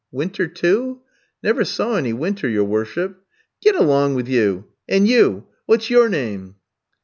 "'Winter too?' "'Never saw any winter, your worship.' "'Get along with you! And you what's your name?'